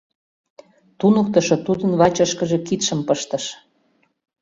— туныктышо тудын вачышкыже кидшым пыштыш.